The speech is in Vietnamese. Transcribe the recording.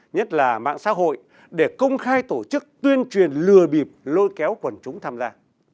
nhất là mạng xã hội để công khai tổ chức tuyên truyền lừa bịp lôi kéo quần chúng tham gia